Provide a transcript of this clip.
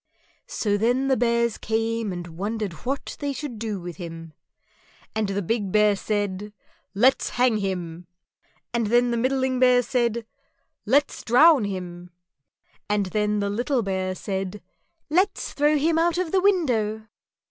_" So then the Bears came and wondered what they should do with him; and the big Bear said, "Let's hang him!" and then the middling Bear said, "Let's drown him!" and then the little Bear said, "Let's throw him out of the window."